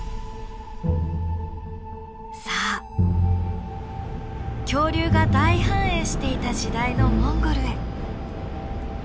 さあ恐竜が大繁栄していた時代のモンゴルへ。